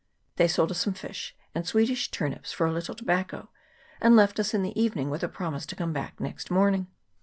They sold us some fish and Swedish turnips for a little tobacco, and left us in the evening, with a promise to come back next morning.